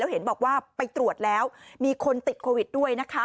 เห็นบอกว่าไปตรวจแล้วมีคนติดโควิดด้วยนะคะ